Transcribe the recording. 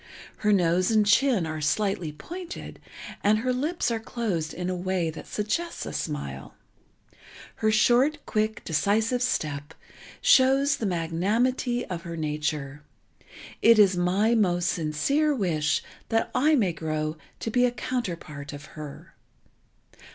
Her nose and chin are slightly pointed and her lips are closed in a way that suggests a smile. Her short, quick, decisive step shows the magnanimity of her nature. It is my most sincere wish that I may grow to be a counterpart of her.